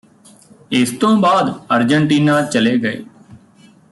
ਇਸ ਤੋਂ ਬਾਅਦ ਅਰਜਨਟੀਨਾ ਚਲੇ ਗਏ